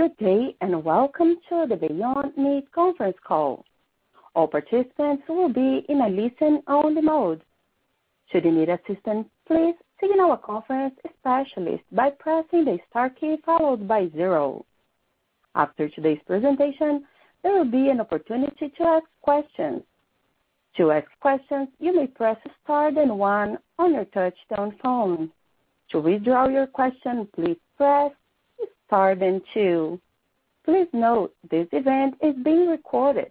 Good day, and welcome to the Beyond Meat conference call. All participants will be in a listen-only mode. Should you need assistance, please signal a conference specialist by pressing the star key followed by zero. After today's presentation, there will be an opportunity to ask questions. To ask questions, you may press star then one on your touch-tone phone. To withdraw your question, please press star then two. Please note this event is being recorded.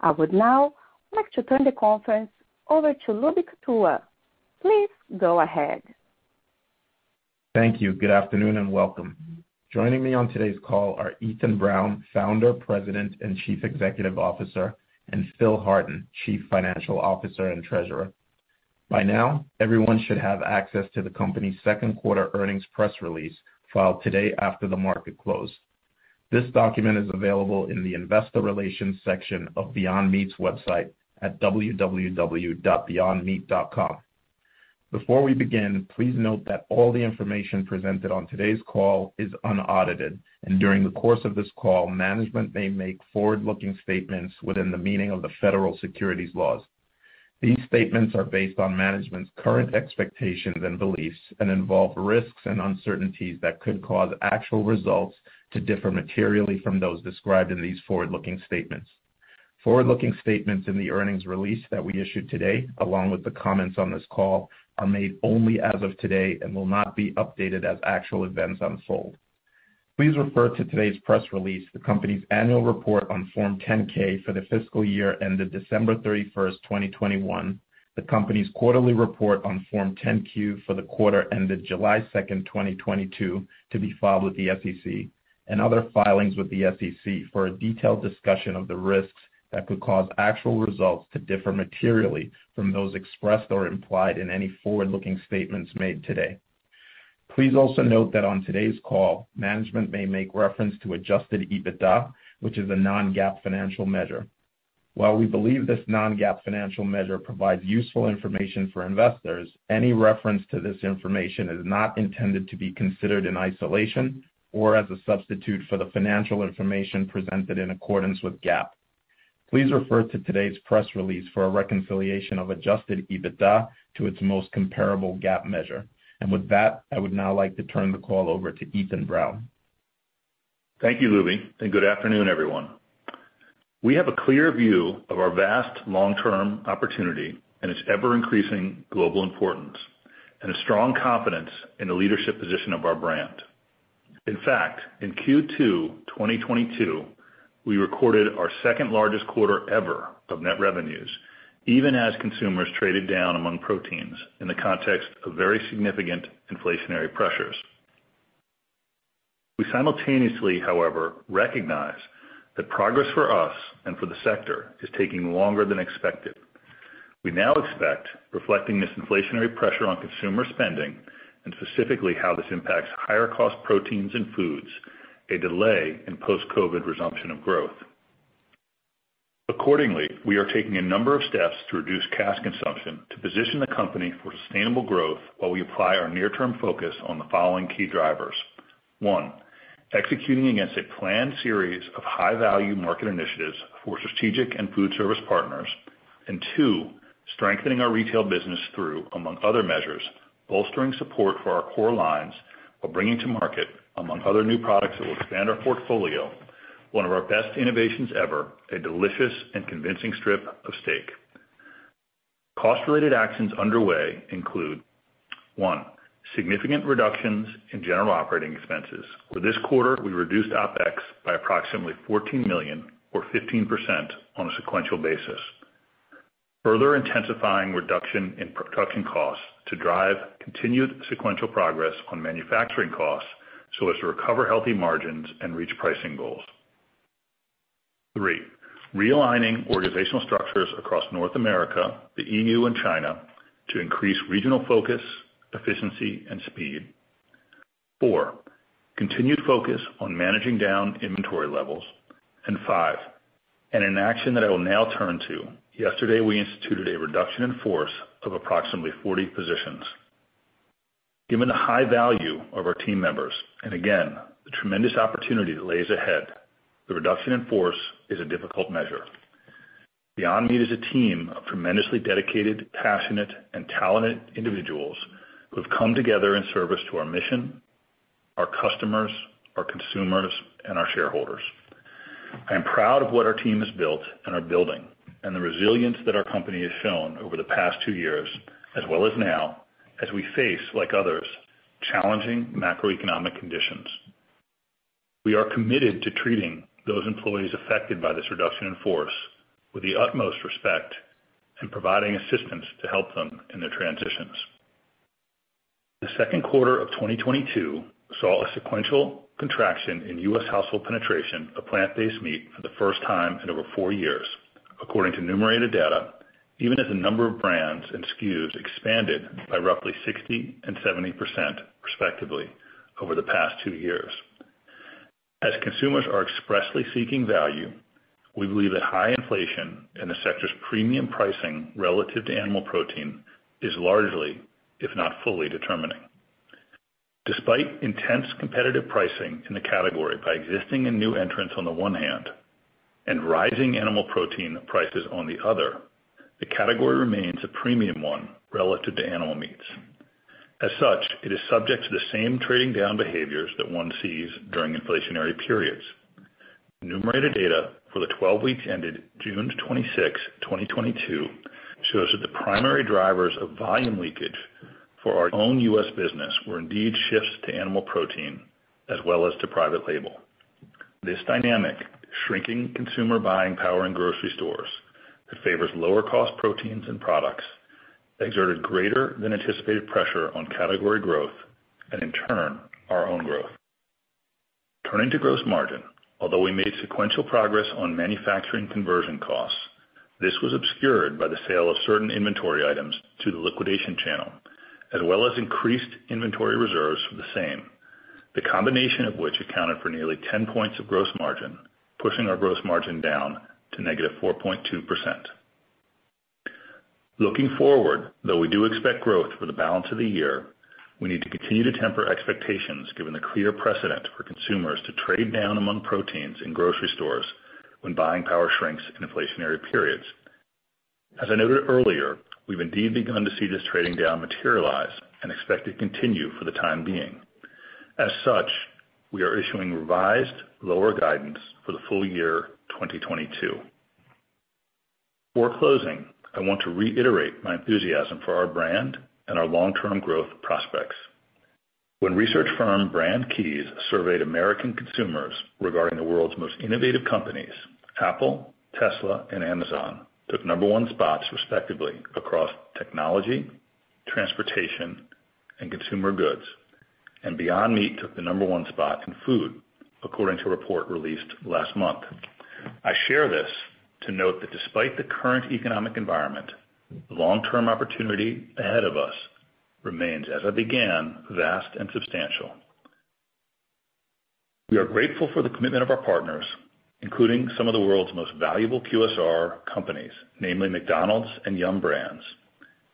I would now like to turn the conference over to Lubi Kutua. Please go ahead. Thank you. Good afternoon and welcome. Joining me on today's call are Ethan Brown, Founder, President, and Chief Executive Officer, and Phil Hardin, Chief Financial Officer and Treasurer. By now, everyone should have access to the company's second quarter earnings press release filed today after the market closed. This document is available in the investor relations section of Beyond Meat's website at www.beyondmeat.com. Before we begin, please note that all the information presented on today's call is unaudited, and during the course of this call, management may make forward-looking statements within the meaning of the Federal Securities laws. These statements are based on management's current expectations and beliefs and involve risks and uncertainties that could cause actual results to differ materially from those described in these forward-looking statements. Forward-looking statements in the earnings release that we issued today, along with the comments on this call, are made only as of today and will not be updated as actual events unfold. Please refer to today's press release, the company's annual report on Form 10-K for the fiscal year ended December 31, 2021, the company's quarterly report on Form 10-Q for the quarter ended July 2, 2022, to be filed with the SEC and other filings with the SEC for a detailed discussion of the risks that could cause actual results to differ materially from those expressed or implied in any forward-looking statements made today. Please also note that on today's call, management may make reference to Adjusted EBITDA, which is a non-GAAP financial measure. While we believe this non-GAAP financial measure provides useful information for investors, any reference to this information is not intended to be considered in isolation or as a substitute for the financial information presented in accordance with GAAP. Please refer to today's press release for a reconciliation of adjusted EBITDA to its most comparable GAAP measure. With that, I would now like to turn the call over to Ethan Brown. Thank you, Lubi, and good afternoon, everyone. We have a clear view of our vast long-term opportunity and its ever-increasing global importance and a strong confidence in the leadership position of our brand. In fact, in Q2, 2022, we recorded our second-largest quarter ever of net revenues, even as consumers traded down among proteins in the context of very significant inflationary pressures. We simultaneously, however, recognize that progress for us and for the sector is taking longer than expected. We now expect reflecting this inflationary pressure on consumer spending and specifically how this impacts higher cost proteins and foods, a delay in post-COVID resumption of growth. Accordingly, we are taking a number of steps to reduce cash consumption to position the company for sustainable growth while we apply our near-term focus on the following key drivers. One, executing against a planned series of high-value market initiatives for strategic and food service partners. Two, strengthening our retail business through, among other measures, bolstering support for our core lines while bringing to market among other new products that will expand our portfolio, one of our best innovations ever, a delicious and convincing strip of steak. Cost-related actions underway include, one, significant reductions in general operating expenses. For this quarter, we reduced OpEx by approximately $14 million or 15% on a sequential basis. Further intensifying reduction in production costs to drive continued sequential progress on manufacturing costs so as to recover healthy margins and reach pricing goals. Three, realigning organizational structures across North America, the EU, and China to increase regional focus, efficiency, and speed. Four, continued focus on managing down inventory levels. Five, an action that I will now turn to, yesterday, we instituted a reduction in force of approximately 40 positions. Given the high value of our team members, and again, the tremendous opportunity that lies ahead, the reduction in force is a difficult measure. Beyond Meat is a team of tremendously dedicated, passionate, and talented individuals who have come together in service to our mission, our customers, our consumers, and our shareholders. I am proud of what our team has built and are building and the resilience that our company has shown over the past two years, as well as now, as we face, like others, challenging macroeconomic conditions. We are committed to treating those employees affected by this reduction in force with the utmost respect and providing assistance to help them in their transitions. The second quarter of 2022 saw a sequential contraction in U.S. household penetration of plant-based meat for the first time in over four years, according to Numerator data, even as the number of brands and SKUs expanded by roughly 60% and 70%, respectively, over the past two years. As consumers are expressly seeking value, we believe that high inflation in the sector's premium pricing relative to animal protein is largely, if not fully determining. Despite intense competitive pricing in the category by existing and new entrants on the one hand, and rising animal protein prices on the other, the category remains a premium one relative to animal meats. As such, it is subject to the same trading down behaviors that one sees during inflationary periods. Numerator data for the 12 weeks ended June 26th, 2022, shows that the primary drivers of volume leakage for our own U.S. business were indeed shifts to animal protein, as well as to private label. This dynamic, shrinking consumer buying power in grocery stores that favors lower cost proteins and products, exerted greater than anticipated pressure on category growth and in turn, our own growth. Turning to gross margin, although we made sequential progress on manufacturing conversion costs, this was obscured by the sale of certain inventory items to the liquidation channel, as well as increased inventory reserves for the same, the combination of which accounted for nearly 10 points of gross margin, pushing our gross margin down to -4.2%. Looking forward, though we do expect growth for the balance of the year, we need to continue to temper expectations given the clear precedent for consumers to trade down among proteins in grocery stores when buying power shrinks in inflationary periods. As I noted earlier, we've indeed begun to see this trading down materialize and expect to continue for the time being. As such, we are issuing revised lower guidance for the full year 2022. Before closing, I want to reiterate my enthusiasm for our brand and our long-term growth prospects. When research firm Brand Keys surveyed American consumers regarding the world's most innovative companies, Apple, Tesla, and Amazon took number one spots respectively across technology, transportation, and consumer goods, and Beyond Meat took the number one spot in food, according to a report released last month. I share this to note that despite the current economic environment, the long-term opportunity ahead of us remains, as I began, vast and substantial. We are grateful for the commitment of our partners, including some of the world's most valuable QSR companies, namely McDonald's and Yum! Brands,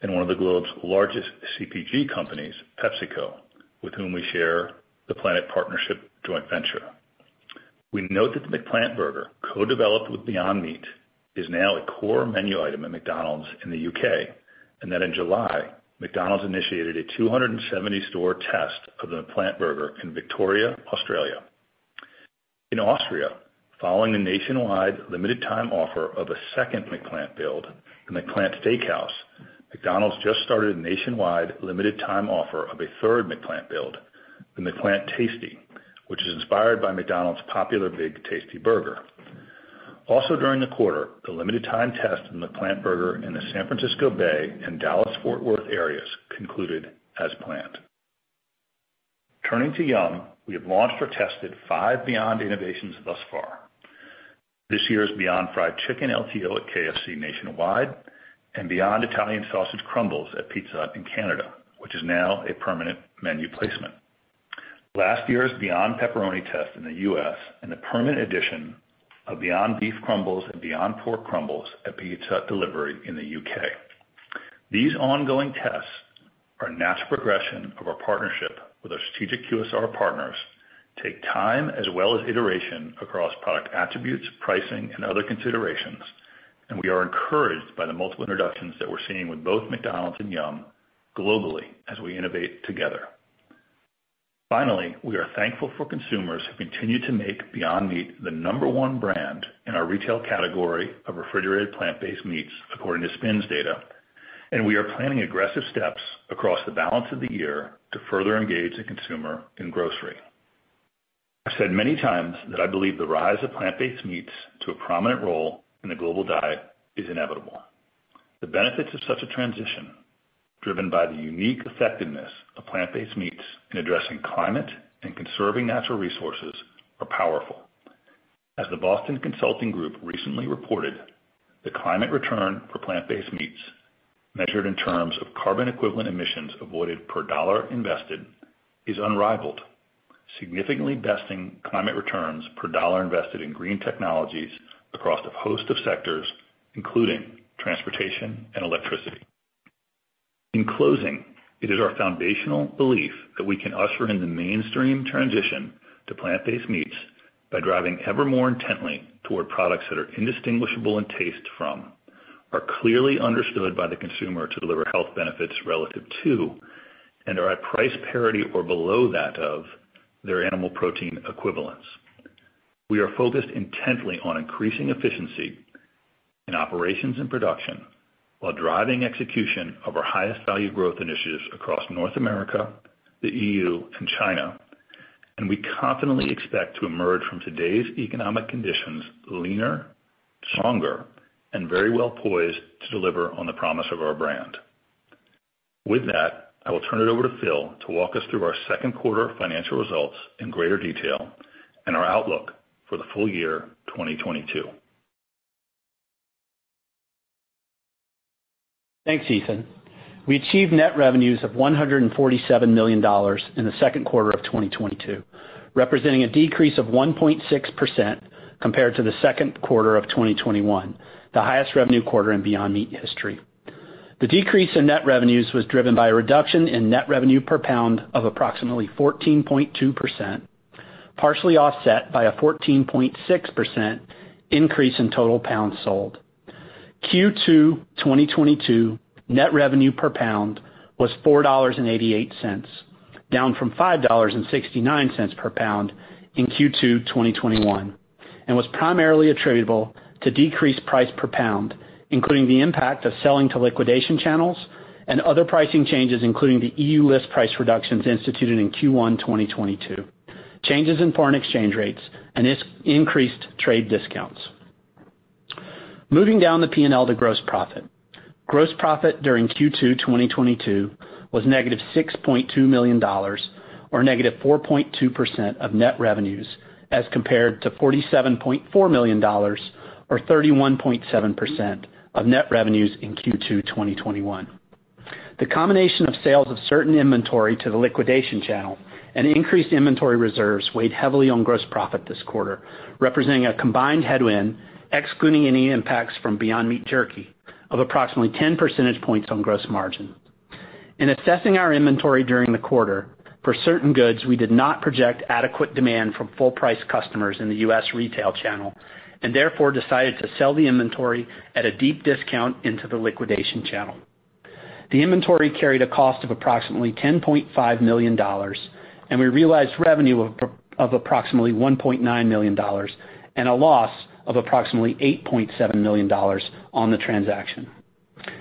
and one of the globe's largest CPG companies, PepsiCo, with whom we share the Planet Partnership joint venture. We note that the McPlant burger, co-developed with Beyond Meat, is now a core menu item at McDonald's in the UK, and that in July, McDonald's initiated a 270-store test of the McPlant burger in Victoria, Australia. In Austria, following a nationwide limited time offer of a second McPlant build, McPlant Steakhouse, McDonald's just started a nationwide limited time offer of a third McPlant build, the McPlant Tasty, which is inspired by McDonald's popular Big Tasty burger. Also during the quarter, the limited time test in the McPlant burger in the San Francisco Bay and Dallas-Fort Worth areas concluded as planned. Turning to Yum, we have launched or tested five Beyond innovations thus far. This year's Beyond Fried Chicken LTO at KFC nationwide and Beyond Italian Sausage Crumbles at Pizza Hut in Canada, which is now a permanent menu placement. Last year's Beyond Pepperoni test in the U.S. and the permanent addition of Beyond Beef Crumbles and Beyond Pork Crumbles at Pizza Hut delivery in the U.K. These ongoing tests are natural progression of our partnership with our strategic QSR partners, take time as well as iteration across product attributes, pricing, and other considerations, and we are encouraged by the multiple introductions that we're seeing with both McDonald's and Yum globally as we innovate together. Finally, we are thankful for consumers who continue to make Beyond Meat the number one brand in our retail category of refrigerated plant-based meats, according to SPINS data. We are planning aggressive steps across the balance of the year to further engage the consumer in grocery. I've said many times that I believe the rise of plant-based meats to a prominent role in the global diet is inevitable. The benefits of such a transition, driven by the unique effectiveness of plant-based meats in addressing climate and conserving natural resources, are powerful. As the Boston Consulting Group recently reported, the climate return for plant-based meats, measured in terms of carbon equivalent emissions avoided per dollar invested, is unrivaled, significantly besting climate returns per dollar invested in green technologies across a host of sectors, including transportation and electricity. In closing, it is our foundational belief that we can usher in the mainstream transition to plant-based meats by driving ever more intently toward products that are indistinguishable in taste from, are clearly understood by the consumer to deliver health benefits relative to, and are at price parity or below that of their animal protein equivalents. We are focused intently on increasing efficiency in operations and production while driving execution of our highest value growth initiatives across North America, the EU, and China, and we confidently expect to emerge from today's economic conditions leaner, stronger, and very well poised to deliver on the promise of our brand. With that, I will turn it over to Phil to walk us through our second quarter financial results in greater detail and our outlook for the full year 2022. Thanks, Ethan. We achieved net revenues of $147 million in the second quarter of 2022, representing a decrease of 1.6% compared to the second quarter of 2021, the highest revenue quarter in Beyond Meat history. The decrease in net revenues was driven by a reduction in net revenue per pound of approximately 14.2%, partially offset by a 14.6% increase in total pounds sold. Q2 2022 net revenue per pound was $4.88, down from $5.69 per pound in Q2 2021, and was primarily attributable to decreased price per pound, including the impact of selling to liquidation channels and other pricing changes, including the EU list price reductions instituted in Q1 2022, changes in foreign exchange rates and increased trade discounts. Moving down the P&L to gross profit. Gross profit during Q2 2022 was -$6.2 million, or -4.2% of net revenues, as compared to $47.4 million or 31.7% of net revenues in Q2 2021. The combination of sales of certain inventory to the liquidation channel and increased inventory reserves weighed heavily on gross profit this quarter, representing a combined headwind, excluding any impacts from Beyond Meat Jerky, of approximately 10 percentage points on gross margin. In assessing our inventory during the quarter, for certain goods, we did not project adequate demand from full price customers in the U.S. retail channel, and therefore decided to sell the inventory at a deep discount into the liquidation channel. The inventory carried a cost of approximately $10.5 million, and we realized revenue of approximately $1.9 million and a loss of approximately $8.7 million on the transaction.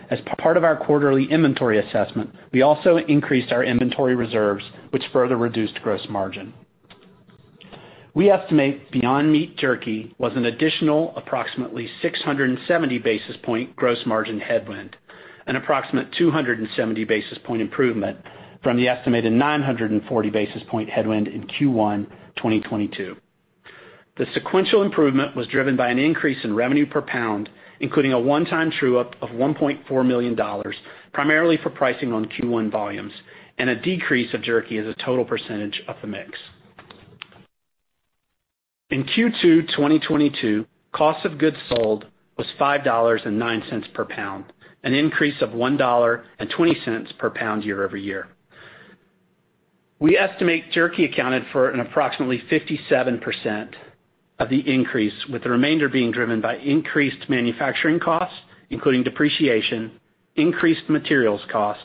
As part of our quarterly inventory assessment, we also increased our inventory reserves, which further reduced gross margin. We estimate Beyond Meat Jerky was an additional approximately 670 basis points gross margin headwind, an approximate 270 basis points improvement from the estimated 940 basis points headwind in Q1 2022. The sequential improvement was driven by an increase in revenue per pound, including a one-time true up of $1.4 million, primarily for pricing on Q1 volumes, and a decrease of Jerky as a total percentage of the mix. In Q2 2022, cost of goods sold was $5.09 per pound, an increase of $1.20 per pound year-over-year. We estimate Jerky accounted for approximately 57% of the increase, with the remainder being driven by increased manufacturing costs, including depreciation, increased materials cost,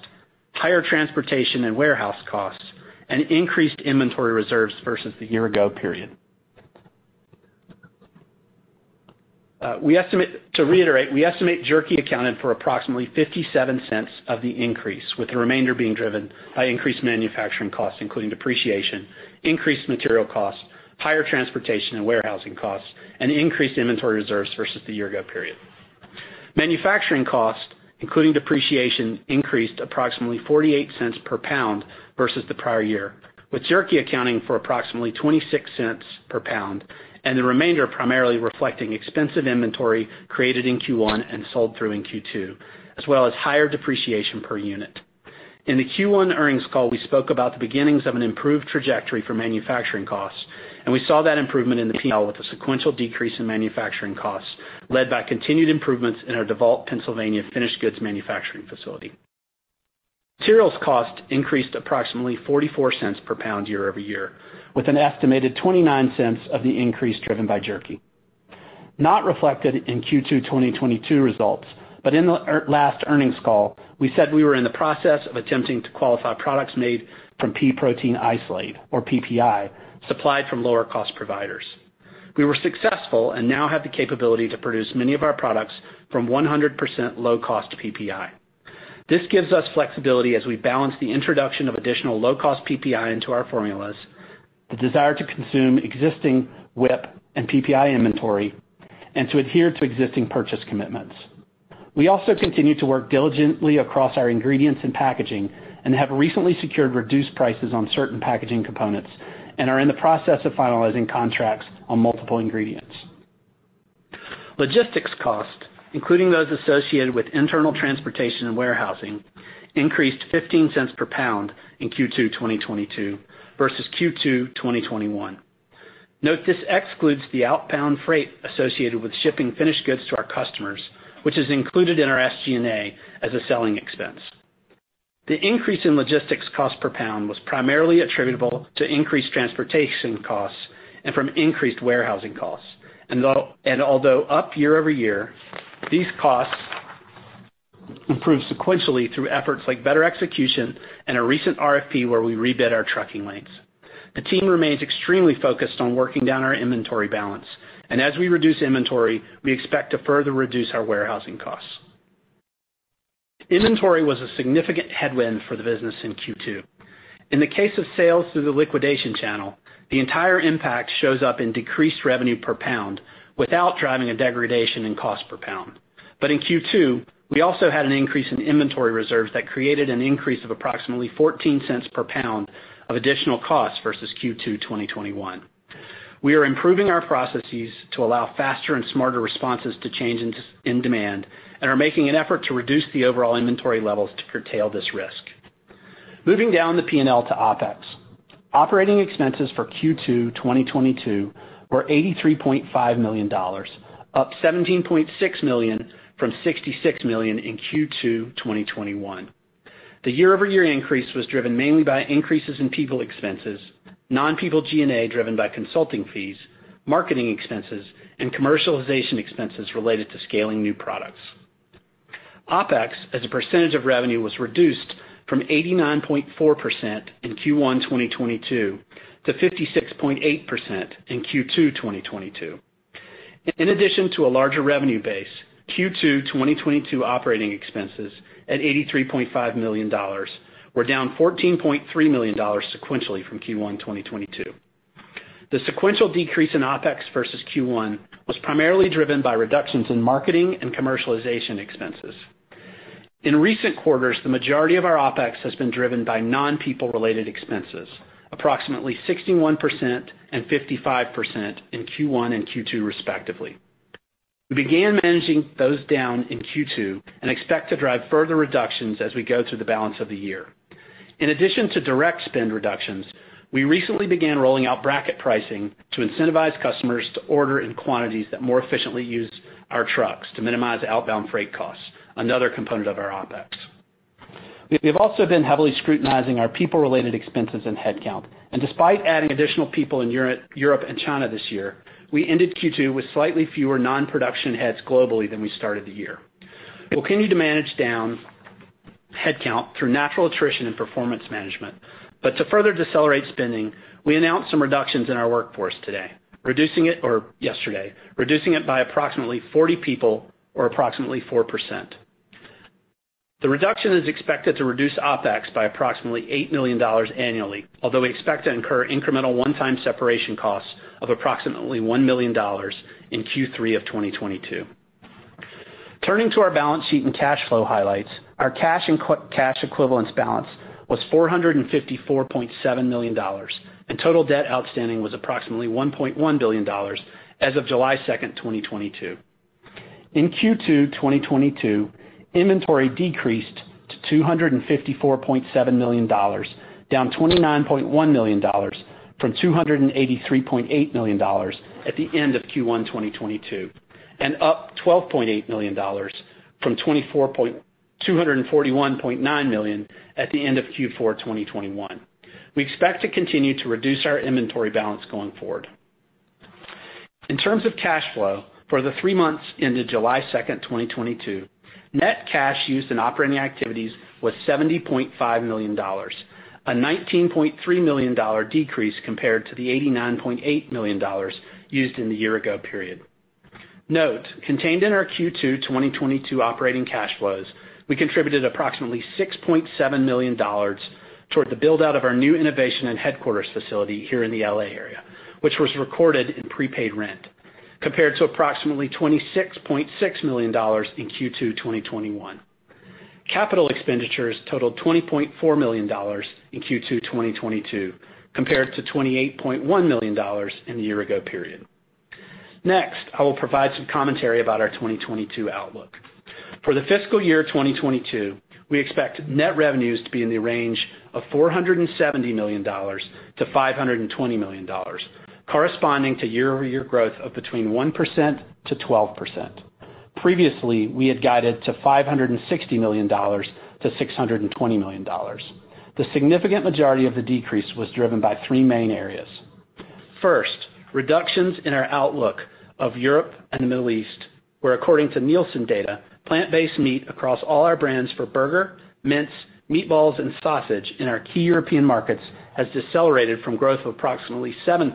higher transportation and warehouse costs, and increased inventory reserves versus the year ago period. We estimate Jerky accounted for approximately $0.57 of the increase, with the remainder being driven by increased manufacturing costs including depreciation, increased material costs, higher transportation and warehousing costs, and increased inventory reserves versus the year ago period. Manufacturing cost, including depreciation, increased approximately $0.48 per pound versus the prior year, with Jerky accounting for approximately $0.26 per pound and the remainder primarily reflecting expensive inventory created in Q1 and sold through in Q2, as well as higher depreciation per unit. In the Q1 earnings call, we spoke about the beginnings of an improved trajectory for manufacturing costs, and we saw that improvement in the P&L with a sequential decrease in manufacturing costs led by continued improvements in our Devault, Pennsylvania finished goods manufacturing facility. Materials cost increased approximately $0.44 per pound year-over-year, with an estimated $0.29 of the increase driven by Jerky. Not reflected in Q2 2022 results, but in the last earnings call, we said we were in the process of attempting to qualify products made from pea protein isolate, or PPI, supplied from lower cost providers. We were successful and now have the capability to produce many of our products from 100% low-cost PPI. This gives us flexibility as we balance the introduction of additional low-cost PPI into our formulas, the desire to consume existing WIP and PPI inventory, and to adhere to existing purchase commitments. We also continue to work diligently across our ingredients and packaging and have recently secured reduced prices on certain packaging components and are in the process of finalizing contracts on multiple ingredients. Logistics costs, including those associated with internal transportation and warehousing, increased $0.15 per pound in Q2 2022 versus Q2 2021. Note this excludes the outbound freight associated with shipping finished goods to our customers, which is included in our SG&A as a selling expense. The increase in logistics cost per pound was primarily attributable to increased transportation costs and from increased warehousing costs. Although up year over year, these costs improved sequentially through efforts like better execution and a recent RFP where we rebid our trucking lanes. The team remains extremely focused on working down our inventory balance. As we reduce inventory, we expect to further reduce our warehousing costs. Inventory was a significant headwind for the business in Q2. In the case of sales through the liquidation channel, the entire impact shows up in decreased revenue per pound without driving a degradation in cost per pound. In Q2, we also had an increase in inventory reserves that created an increase of approximately $0.14 per pound of additional cost versus Q2 2021. We are improving our processes to allow faster and smarter responses to changes in demand and are making an effort to reduce the overall inventory levels to curtail this risk. Moving down the P&L to OpEx. Operating expenses for Q2 2022 were $83.5 million, up $17.6 million from $66 million in Q2 2021. The year-over-year increase was driven mainly by increases in people expenses, non-people G&A, driven by consulting fees, marketing expenses, and commercialization expenses related to scaling new products. OpEx as a percentage of revenue was reduced from 89.4% in Q1 2022 to 56.8% in Q2 2022. In addition to a larger revenue base, Q2 2022 operating expenses at $83.5 million were down $14.3 million sequentially from Q1 2022. The sequential decrease in OpEx versus Q1 was primarily driven by reductions in marketing and commercialization expenses. In recent quarters, the majority of our OpEx has been driven by non-people related expenses, approximately 61% and 55% in Q1 and Q2, respectively. We began managing those down in Q2 and expect to drive further reductions as we go through the balance of the year. In addition to direct spend reductions, we recently began rolling out bracket pricing to incentivize customers to order in quantities that more efficiently use our trucks to minimize outbound freight costs, another component of our OpEx. We have also been heavily scrutinizing our people-related expenses and headcount, and despite adding additional people in Europe and China this year, we ended Q2 with slightly fewer non-production heads globally than we started the year. We'll continue to manage down headcount through natural attrition and performance management. To further decelerate spending, we announced some reductions in our workforce yesterday, reducing it by approximately 40 people or approximately 4%. The reduction is expected to reduce OpEx by approximately $8 million annually, although we expect to incur incremental one-time separation costs of approximately $1 million in Q3 of 2022. Turning to our balance sheet and cash flow highlights, our cash and cash equivalents balance was $454.7 million, and total debt outstanding was approximately $1.1 billion as of July 2, 2022. In Q2 2022, inventory decreased to $254.7 million, down $29.1 million from $283.8 million at the end of Q1 2022, and up $12.8 million from $241.9 million at the end of Q4 2021. We expect to continue to reduce our inventory balance going forward. In terms of cash flow, for the three months ended July 2, 2022, net cash used in operating activities was $70.5 million, a $19.3 million decrease compared to the $89.8 million used in the year ago period. Note, contained in our Q2 2022 operating cash flows, we contributed approximately $6.7 million toward the build-out of our new innovation and headquarters facility here in the L.A. area, which was recorded in prepaid rent compared to approximately $26.6 million in Q2 2021. Capital expenditures totaled $20.4 million in Q2 2022, compared to $28.1 million in the year ago period. Next, I will provide some commentary about our 2022 outlook. For the fiscal year 2022, we expect net revenues to be in the range of $470 million-$520 million, corresponding to year-over-year growth of between 1%-12%. Previously, we had guided to $560 million-$620 million. The significant majority of the decrease was driven by three main areas. First, reductions in our outlook of Europe and the Middle East, where according to Nielsen data, plant-based meat across all our brands for burger, mince, meatballs, and sausage in our key European markets has decelerated from growth of approximately 7%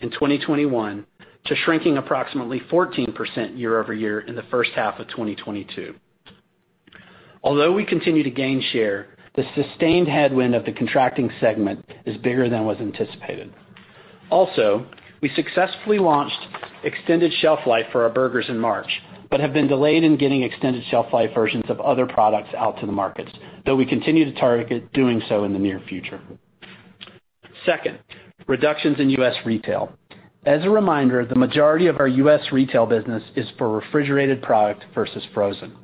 in 2021 to shrinking approximately 14% year-over-year in the first half of 2022. Although we continue to gain share, the sustained headwind of the contracting segment is bigger than was anticipated. Also, we successfully launched extended shelf life for our burgers in March, but have been delayed in getting extended shelf life versions of other products out to the markets, though we continue to target doing so in the near future. Second, reductions in US retail. As a reminder, the majority of our US retail business is for refrigerated product versus frozen.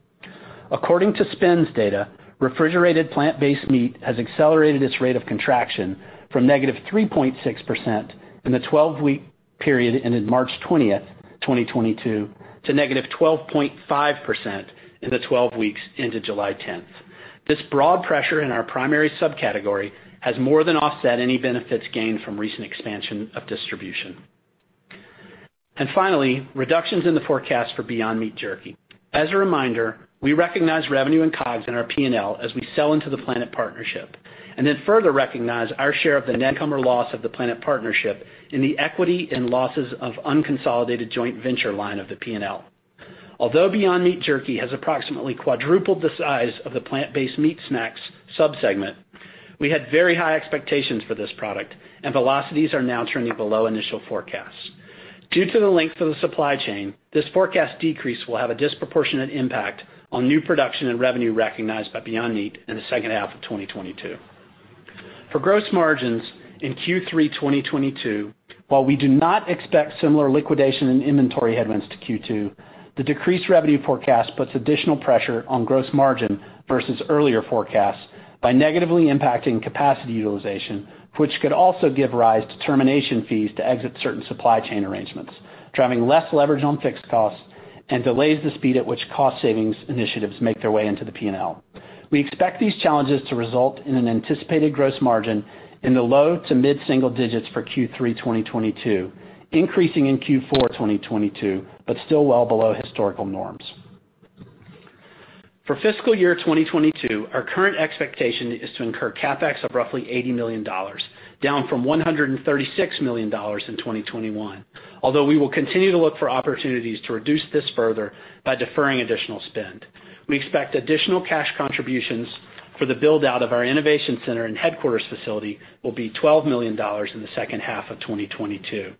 According to SPINS data, refrigerated plant-based meat has accelerated its rate of contraction from negative 3.6% in the twelve-week period ended March 20th, 2022, to negative 12.5% in the twelve weeks into July 10th. This broad pressure in our primary subcategory has more than offset any benefits gained from recent expansion of distribution. Finally, reductions in the forecast for Beyond Meat Jerky. As a reminder, we recognize revenue and COGS in our P&L as we sell into the Planet Partnership, and then further recognize our share of the net income or loss of the Planet Partnership in the equity and losses of unconsolidated joint venture line of the P&L. Although Beyond Meat Jerky has approximately quadrupled the size of the plant-based meat snacks sub-segment, we had very high expectations for this product, and velocities are now turning below initial forecasts. Due to the length of the supply chain, this forecast decrease will have a disproportionate impact on new production and revenue recognized by Beyond Meat in the second half of 2022. For gross margins in Q3 2022, while we do not expect similar liquidation and inventory headwinds to Q2, the decreased revenue forecast puts additional pressure on gross margin versus earlier forecasts by negatively impacting capacity utilization, which could also give rise to termination fees to exit certain supply chain arrangements, driving less leverage on fixed costs and delays the speed at which cost savings initiatives make their way into the P&L. We expect these challenges to result in an anticipated gross margin in the low- to mid-single digits% for Q3 2022, increasing in Q4 2022, but still well below historical norms. For fiscal year 2022, our current expectation is to incur CapEx of roughly $80 million, down from $136 million in 2021. Although we will continue to look for opportunities to reduce this further by deferring additional spend. We expect additional cash contributions for the build-out of our innovation center and headquarters facility will be $12 million in the second half of 2022,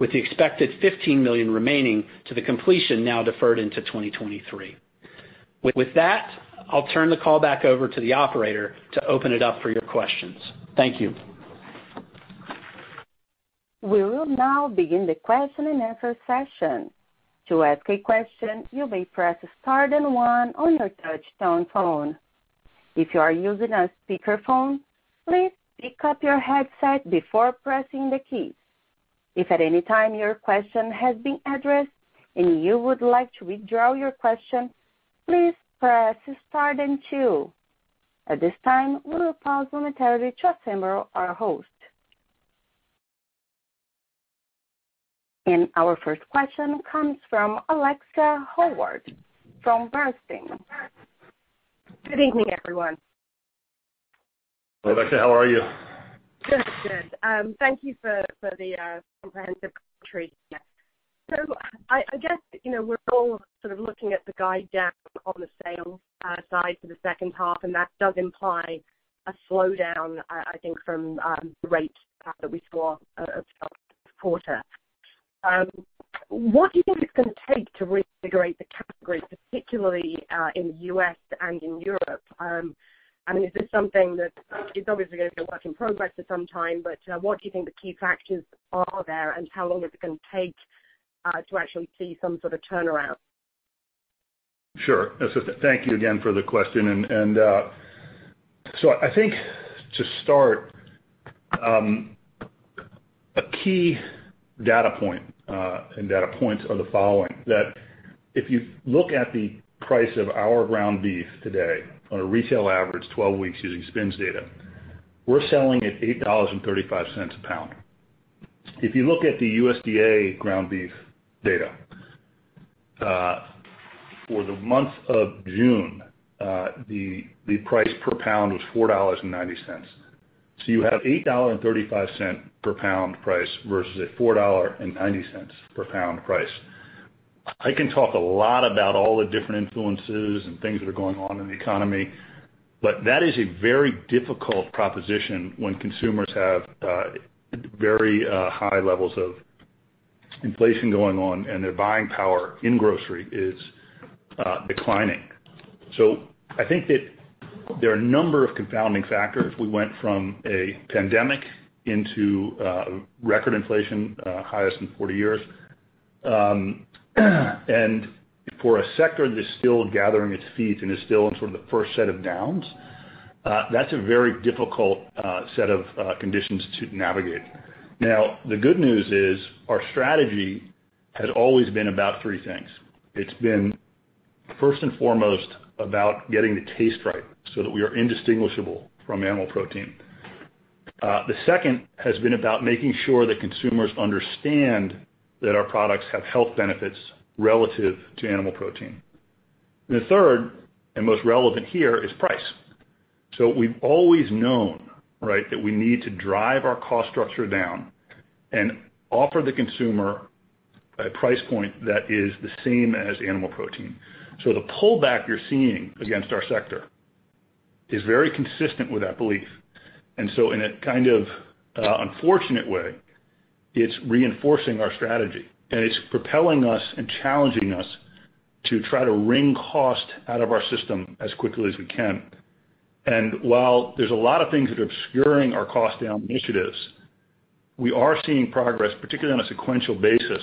with the expected $15 million remaining to the completion now deferred into 2023. With that, I'll turn the call back over to the operator to open it up for your questions. Thank you. We will now begin the question and answer session. To ask a question, you may press star then one on your touch tone phone. If you are using a speakerphone, please pick up your headset before pressing the keys. If at any time your question has been addressed and you would like to withdraw your question, please press star then two. At this time, we will pause momentarily to assemble our host. Our first question comes from Alexia Howard from Bernstein. Good evening, everyone. Alexia, how are you? Good. Thank you for the comprehensive treatment. I guess, you know, we're all sort of looking at the guide down on the sales side for the second half, and that does imply a slowdown, I think, from the rate that we saw quarter. What do you think it's gonna take to reinvigorate the category, particularly in the U.S. and in Europe? I mean, is this something that is obviously going to be a work in progress for some time, but what do you think the key factors are there, and how long is it gonna take to actually see some sort of turnaround? Sure. Thank you again for the question. I think to start, a key data point, that if you look at the price of our ground beef today on a retail average, 12 weeks using SPINS data, we're selling at $8.35 a pound. If you look at the USDA ground beef data, for the month of June, the price per pound was $4.90. You have $8.35 per pound price versus a $4.90 per pound price. I can talk a lot about all the different influences and things that are going on in the economy, but that is a very difficult proposition when consumers have very high levels of inflation going on and their buying power in grocery is declining. I think that there are a number of confounding factors. We went from a pandemic into record inflation, highest in 40 years. For a sector that's still gathering its feet and is still in sort of the first set of downs, that's a very difficult set of conditions to navigate. Now, the good news is our strategy has always been about three things. It's been first and foremost about getting the taste right so that we are indistinguishable from animal protein. The second has been about making sure that consumers understand that our products have health benefits relative to animal protein. The third, and most relevant here, is price. We've always known, right, that we need to drive our cost structure down and offer the consumer a price point that is the same as animal protein. The pullback you're seeing against our sector is very consistent with that belief. In a kind of unfortunate way, it's reinforcing our strategy, and it's propelling us and challenging us to try to wring cost out of our system as quickly as we can. While there's a lot of things that are obscuring our cost down initiatives, we are seeing progress, particularly on a sequential basis,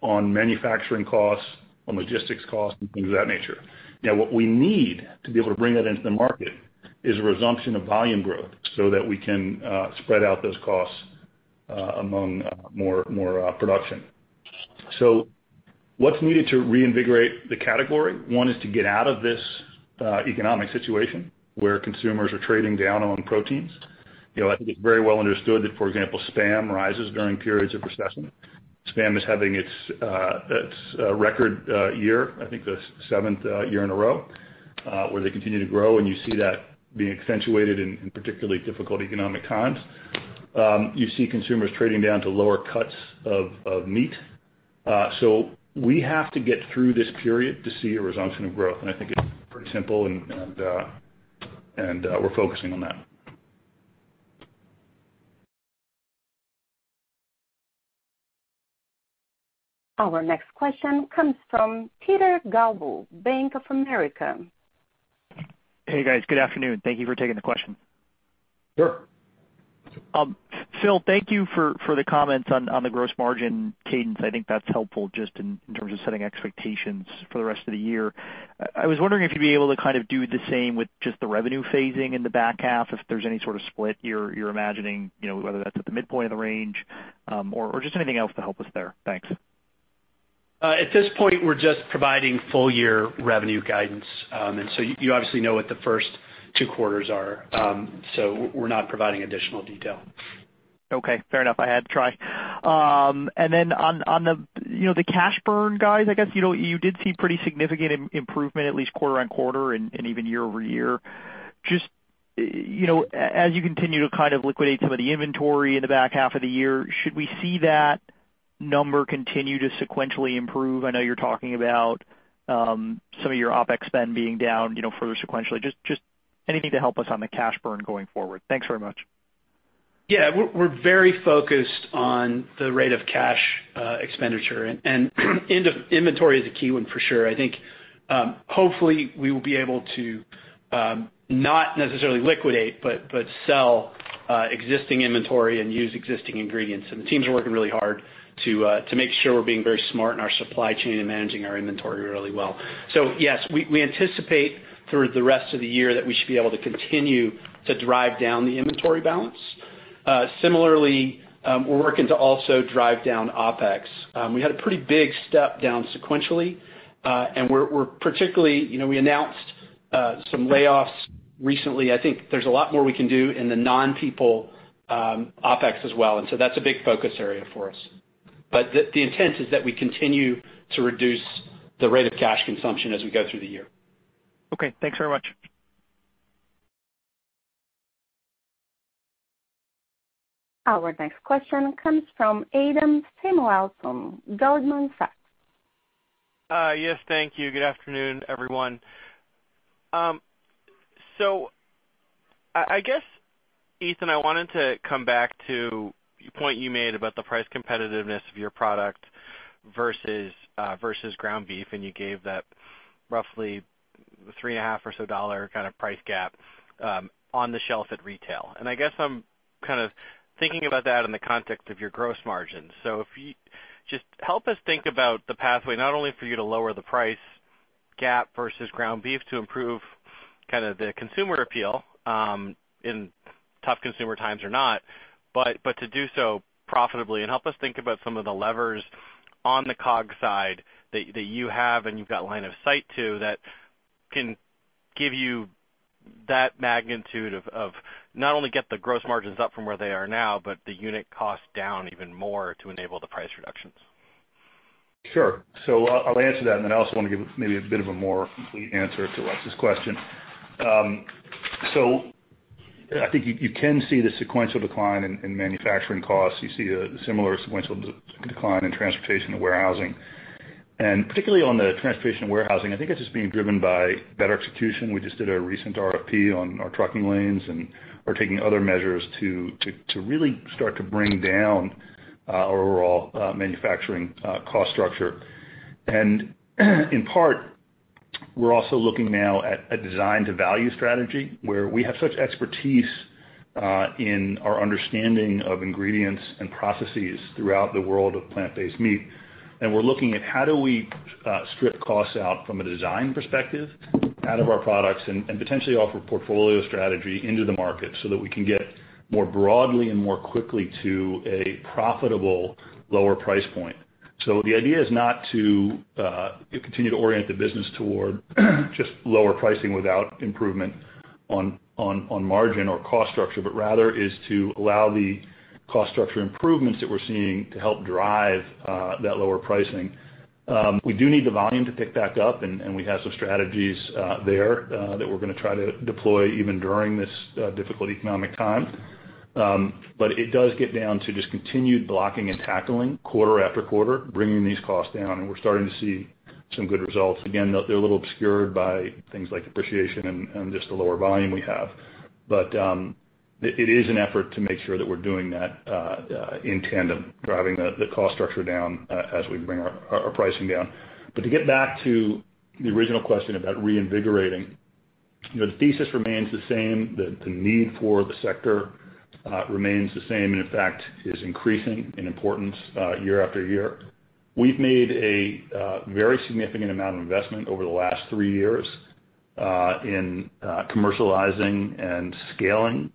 on manufacturing costs, on logistics costs, and things of that nature. Now, what we need to be able to bring that into the market is a resumption of volume growth so that we can spread out those costs among more production. What's needed to reinvigorate the category? One is to get out of this economic situation where consumers are trading down on proteins. You know, I think it's very well understood that, for example, Spam rises during periods of recession. Spam is having its record year, I think the seventh year in a row where they continue to grow, and you see that being accentuated in particularly difficult economic times. You see consumers trading down to lower cuts of meat. We have to get through this period to see a resumption of growth, and I think it's pretty simple and we're focusing on that. Our next question comes from Peter Galbo, Bank of America. Hey guys. Good afternoon. Thank you for taking the question. Sure. Phil, thank you for the comments on the gross margin cadence. I think that's helpful just in terms of setting expectations for the rest of the year. I was wondering if you'd be able to kind of do the same with just the revenue phasing in the back half, if there's any sort of split you're imagining, you know, whether that's at the midpoint of the range, or just anything else to help us there. Thanks. At this point, we're just providing full year revenue guidance. You obviously know what the first two quarters are. We're not providing additional detail. Okay. Fair enough. I had to try. And then on the cash burn guys, I guess, you know, you did see pretty significant improvement at least quarter-over-quarter and even year-over-year. Just you know, as you continue to kind of liquidate some of the inventory in the back half of the year, should we see that number continue to sequentially improve? I know you're talking about some of your OpEx spend being down, you know, further sequentially. Just anything to help us on the cash burn going forward. Thanks very much. Yeah. We're very focused on the rate of cash expenditure and into inventory is a key one for sure. I think, hopefully we will be able to, not necessarily liquidate, but sell, existing inventory and use existing ingredients. The teams are working really hard to make sure we're being very smart in our supply chain and managing our inventory really well. Yes, we anticipate through the rest of the year that we should be able to continue to drive down the inventory balance. Similarly, we're working to also drive down OpEx. We had a pretty big step down sequentially, and we're particularly, you know, we announced, some layoffs recently. I think there's a lot more we can do in the non-people, OpEx as well. That's a big focus area for us. The intent is that we continue to reduce the rate of cash consumption as we go through the year. Okay. Thanks very much. Our next question comes from Adam Samuelson from Goldman Sachs. Yes, thank you. Good afternoon, everyone. I guess, Ethan, I wanted to come back to a point you made about the price competitiveness of your product versus ground beef. You gave that roughly $3.5 or so kind of price gap on the shelf at retail. I guess I'm kind of thinking about that in the context of your gross margin. If you just help us think about the pathway, not only for you to lower the price gap versus ground beef to improve kind of the consumer appeal in tough consumer times or not, but to do so profitably. Help us think about some of the levers on the COGS side that you have and you've got line of sight to, that can give you that magnitude of not only get the gross margins up from where they are now, but the unit cost down even more to enable the price reductions. Sure. I'll answer that and then I also wanna give maybe a bit of a more complete answer to Alexia's question. I think you can see the sequential decline in manufacturing costs. You see a similar sequential decline in transportation and warehousing. Particularly on the transportation and warehousing, I think that's just being driven by better execution. We just did a recent RFP on our trucking lanes, and we're taking other measures to really start to bring down our overall manufacturing cost structure. In part, we're also looking now at a design to value strategy where we have such expertise in our understanding of ingredients and processes throughout the world of plant-based meat. We're looking at how do we strip costs out from a design perspective out of our products and potentially offer portfolio strategy into the market so that we can get more broadly and more quickly to a profitable lower price point. The idea is not to continue to orient the business toward just lower pricing without improvement on margin or cost structure, but rather is to allow the cost structure improvements that we're seeing to help drive that lower pricing. We do need the volume to pick back up and we have some strategies there that we're gonna try to deploy even during this difficult economic time. It does get down to just continued blocking and tackling quarter after quarter, bringing these costs down, and we're starting to see some good results. Again, they're a little obscured by things like depreciation and just the lower volume we have. It is an effort to make sure that we're doing that in tandem, driving the cost structure down as we bring our pricing down. To get back to the original question about reinvigorating, you know, the thesis remains the same. The need for the sector remains the same and in fact is increasing in importance year after year. We've made a very significant amount of investment over the last three years in commercializing and scaling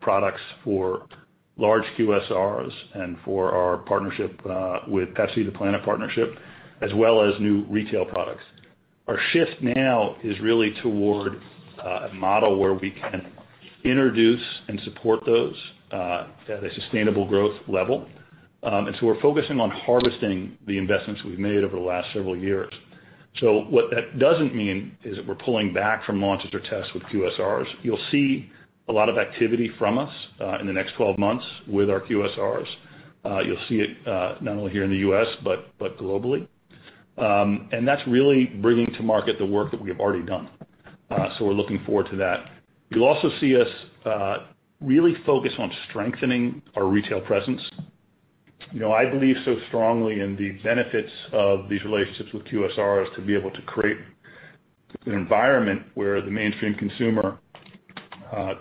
products for large QSRs and for our partnership with Pepsi, the Planet Partnership, as well as new retail products. Our shift now is really toward a model where we can introduce and support those at a sustainable growth level. We're focusing on harvesting the investments we've made over the last several years. What that doesn't mean is that we're pulling back from launches or tests with QSRs. You'll see a lot of activity from us in the next 12 months with our QSRs. You'll see it not only here in the U.S., but globally. That's really bringing to market the work that we have already done. We're looking forward to that. You'll also see us really focus on strengthening our retail presence. You know, I believe so strongly in the benefits of these relationships with QSRs to be able to create an environment where the mainstream consumer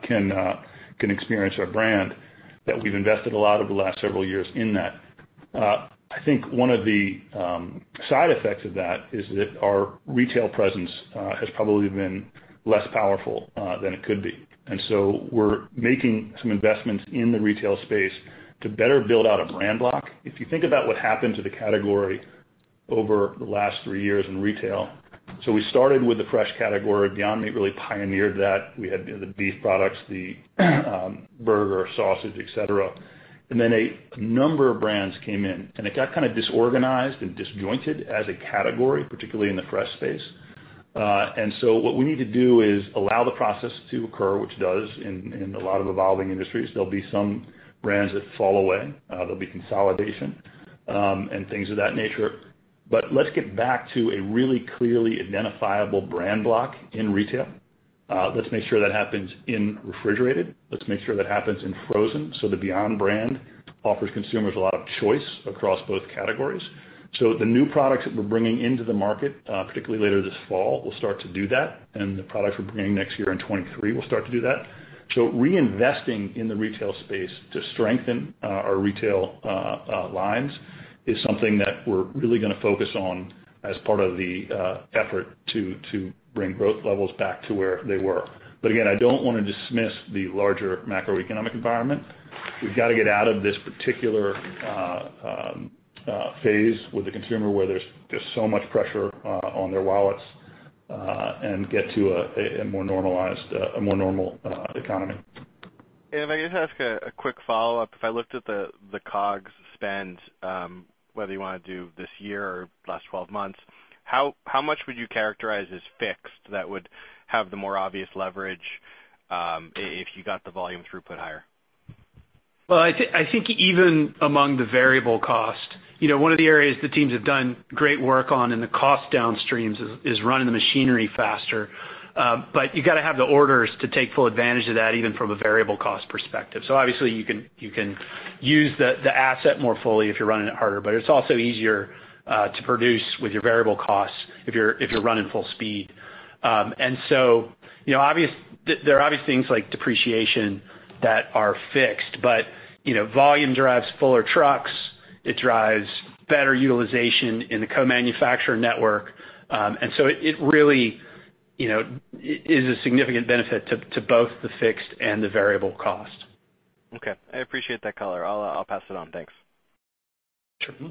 can experience our brand that we've invested a lot over the last several years in that. I think one of the side effects of that is that our retail presence has probably been less powerful than it could be. We're making some investments in the retail space to better build out a brand block. If you think about what happened to the category over the last three years in retail, we started with the fresh category. Beyond Meat really pioneered that. We had the beef products, the burger, sausage, et cetera. Then a number of brands came in, and it got kind of disorganized and disjointed as a category, particularly in the fresh space. What we need to do is allow the process to occur, which does in a lot of evolving industries. There'll be some brands that fall away. There'll be consolidation, and things of that nature. Let's get back to a really clearly identifiable brand block in retail. Let's make sure that happens in refrigerated. Let's make sure that happens in frozen, so the Beyond brand offers consumers a lot of choice across both categories. The new products that we're bringing into the market, particularly later this fall, will start to do that, and the products we're bringing next year in 2023 will start to do that. Reinvesting in the retail space to strengthen our retail lines is something that we're really gonna focus on as part of the effort to bring growth levels back to where they were. Again, I don't wanna dismiss the larger macroeconomic environment. We've got to get out of this particular phase with the consumer where there's just so much pressure on their wallets and get to a more normal economy. If I could just ask a quick follow-up. If I looked at the COGS spend, whether you wanna do this year or last twelve months, how much would you characterize as fixed that would have the more obvious leverage, if you got the volume throughput higher? Well, I think even among the variable cost, you know, one of the areas the teams have done great work on in the cost reductions is running the machinery faster. You gotta have the orders to take full advantage of that, even from a variable cost perspective. Obviously you can use the asset more fully if you're running it harder, but it's also easier to produce with your variable costs if you're running full speed. You know, there are obvious things like depreciation that are fixed, but you know, volume drives fuller trucks. It drives better utilization in the co-manufacturer network, and so it really, you know, is a significant benefit to both the fixed and the variable cost. Okay. I appreciate that color. I'll pass it on. Thanks. Sure. Mm-hmm.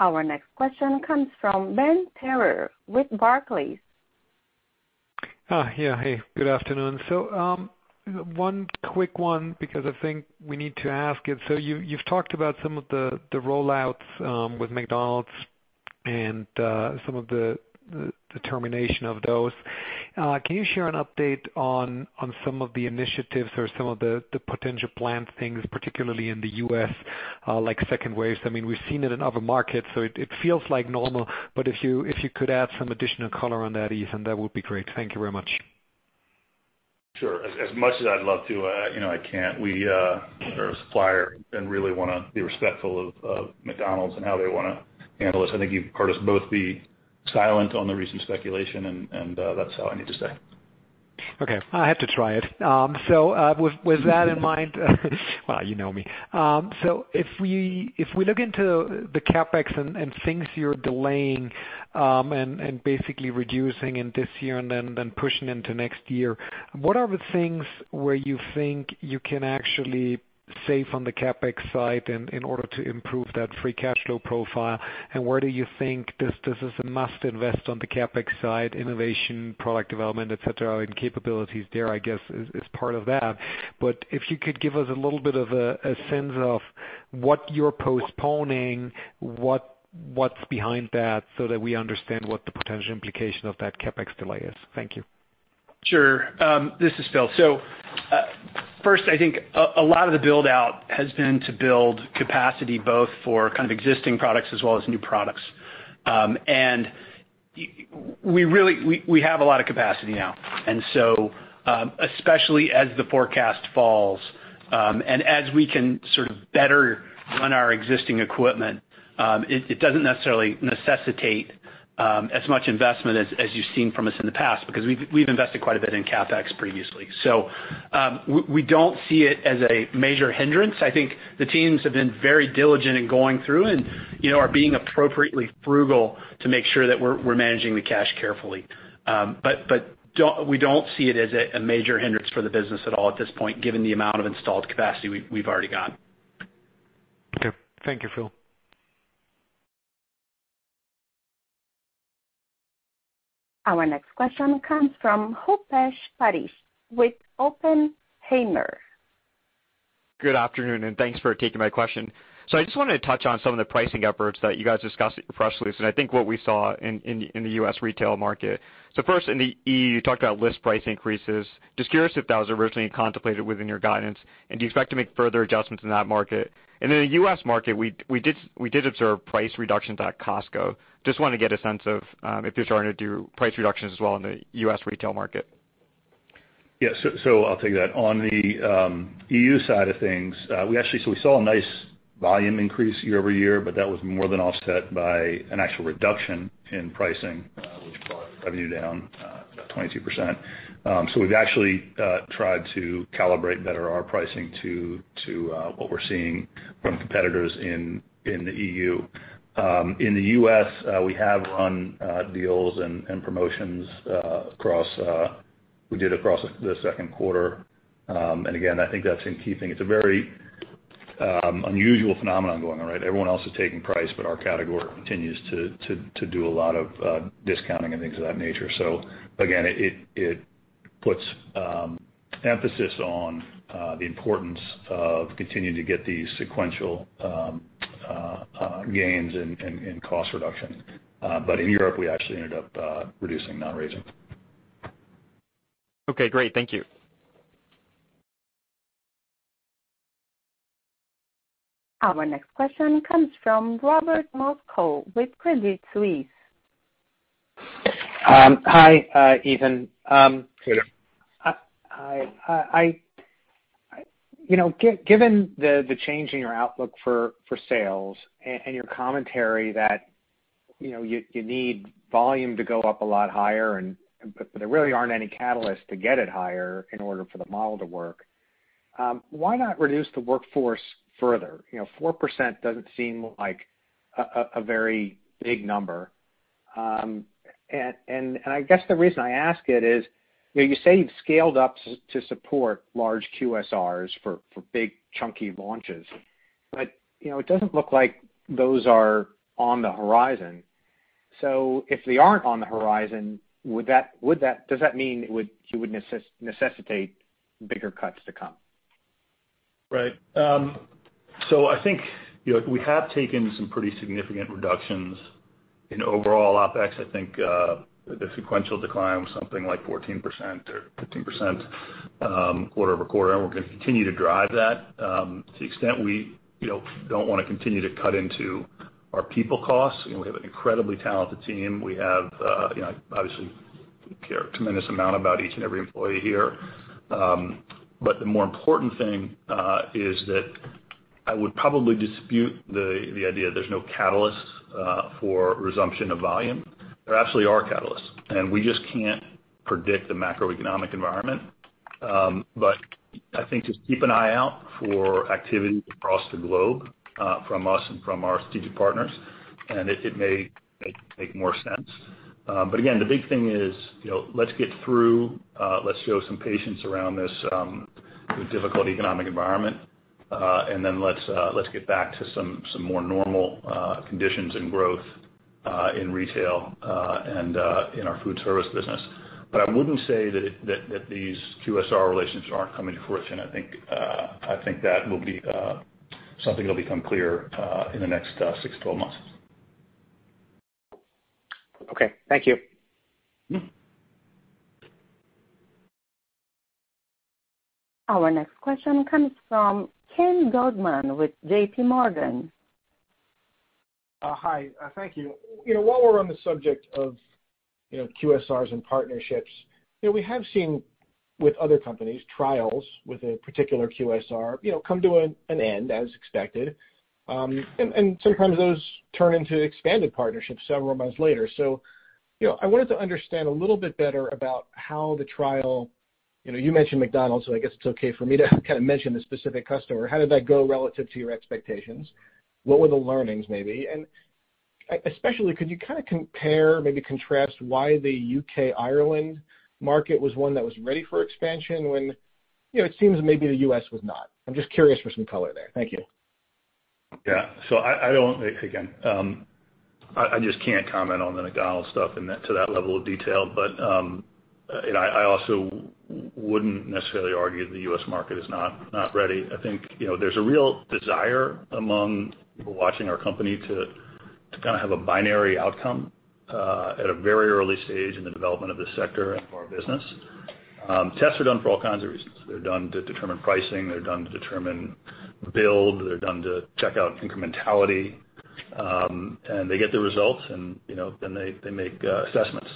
Our next question comes from Benjamin Theurer with Barclays. Yeah. Hey, good afternoon. One quick one because I think we need to ask it. You've talked about some of the rollouts with McDonald's and some of the termination of those. Can you share an update on some of the initiatives or some of the potential planned things, particularly in the U.S., like second waves? I mean, we've seen it in other markets, so it feels like normal. If you could add some additional color on that, Ethan, that would be great. Thank you very much. Sure. As much as I'd love to, I can't. We are a supplier and really wanna be respectful of McDonald's and how they wanna handle this. I think you've heard us both be silent on the recent speculation and that's all I need to say. Okay. I had to try it. With that in mind, well, you know me. If we look into the CapEx and things you're delaying, and basically reducing in this year and then pushing into next year, what are the things where you think you can actually save on the CapEx side in order to improve that free cash flow profile? Where do you think this is a must invest on the CapEx side, innovation, product development, et cetera, and capabilities there, I guess, is part of that. If you could give us a little bit of a sense of what you're postponing, what's behind that so that we understand what the potential implication of that CapEx delay is. Thank you. Sure. This is Phil. First, I think a lot of the build-out has been to build capacity both for kind of existing products as well as new products. We really have a lot of capacity now. Especially as the forecast falls, and as we can sort of better run our existing equipment, it doesn't necessarily necessitate as much investment as you've seen from us in the past because we've invested quite a bit in CapEx previously. We don't see it as a major hindrance. I think the teams have been very diligent in going through and, you know, are being appropriately frugal to make sure that we're managing the cash carefully. We don't see it as a major hindrance for the business at all at this point, given the amount of installed capacity we've already got. Okay. Thank you, Phil. Our next question comes from Rupesh Parikh with Oppenheimer. Good afternoon, and thanks for taking my question. I just wanted to touch on some of the pricing efforts that you guys discussed in your press release, and I think what we saw in the U.S. retail market. First in the E.U., you talked about list price increases. Just curious if that was originally contemplated within your guidance, and do you expect to make further adjustments in that market? In the U.S. market, we did observe price reductions at Costco. Just wanna get a sense of, if you're starting to do price reductions as well in the U.S. retail market. Yeah. I'll take that. On the EU side of things, we actually saw a nice volume increase year-over-year, but that was more than offset by an actual reduction in pricing, which brought revenue down about 22%. We've actually tried to calibrate better our pricing to what we're seeing from competitors in the EU. In the US, we have run deals and promotions across the second quarter. Again, I think that's a key thing. It's a very unusual phenomenon going on, right? Everyone else is taking price, but our category continues to do a lot of discounting and things of that nature. Again, it puts emphasis on the importance of continuing to get these sequential gains in cost reduction. In Europe, we actually ended up reducing, not raising. Okay, great. Thank you. Our next question comes from Robert Moskow with Credit Suisse. Hi, Ethan. Robert. You know, given the change in your outlook for sales and your commentary that, you know, you need volume to go up a lot higher, but there really aren't any catalysts to get it higher in order for the model to work, why not reduce the workforce further? You know, 4% doesn't seem like a very big number. I guess the reason I ask it is, you know, you say you've scaled up to support large QSRs for big, chunky launches. You know, it doesn't look like those are on the horizon. If they aren't on the horizon, does that mean you would necessitate bigger cuts to come? Right. I think, you know, we have taken some pretty significant reductions in overall OpEx. I think, the sequential decline was something like 14% or 15%, quarter-over-quarter, and we're gonna continue to drive that, to the extent we, you know, don't wanna continue to cut into our people costs. You know, we have an incredibly talented team. We have, you know, obviously care a tremendous amount about each and every employee here. The more important thing is that I would probably dispute the idea there's no catalyst for resumption of volume. There absolutely are catalysts, and we just can't predict the macroeconomic environment. I think just keep an eye out for activity across the globe, from us and from our strategic partners, and it may make more sense. Again, the big thing is, you know, let's get through, let's show some patience around this difficult economic environment, and then let's get back to some more normal conditions and growth in retail and in our food service business. I wouldn't say that these QSR relationships aren't coming to fruition. I think that will be something that'll become clear in the next six to 12 months. Okay. Thank you. Mm-hmm. Our next question comes from Ken Goldman with J.P. Morgan. Hi. Thank you. You know, while we're on the subject of, you know, QSRs and partnerships, you know, we have seen with other companies, trials with a particular QSR, you know, come to an end as expected, and sometimes those turn into expanded partnerships several months later. You know, I wanted to understand a little bit better about how the trial, you know, you mentioned McDonald's, so I guess it's okay for me to kind of mention the specific customer. How did that go relative to your expectations? What were the learnings maybe? And especially, could you kind of compare, maybe contrast why the UK-Ireland market was one that was ready for expansion when, you know, it seems maybe the U.S. was not? I'm just curious for some color there. Thank you. Yeah. I don't— Again, I just can't comment on the McDonald's stuff in that to that level of detail. I also wouldn't necessarily argue the U.S. market is not ready. I think, you know, there's a real desire among people watching our company to kind of have a binary outcome at a very early stage in the development of this sector and for our business. Tests are done for all kinds of reasons. They're done to determine pricing, they're done to determine build, they're done to check out incrementality, and they get the results and, you know, then they make assessments.